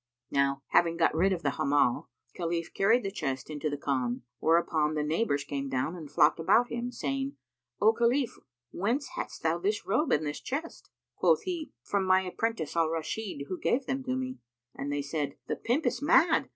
Now having got rid of the Hammal, Khalif carried the chest into the Khan, whereupon the neighbours came down and flocked about him, saying, "O Khalif, whence hadst thou this robe and this chest?" Quoth he, "From my apprentice Al Rashid who gave them to me," and they said, "The pimp is mad!